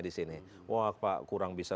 di sini wah pak kurang bisa